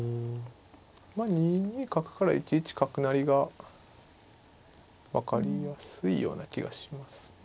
まあ２二角から１一角成が分かりやすいような気がしますね。